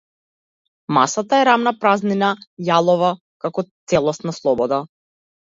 Масата е рамна празнина, јалова како целосна слобода.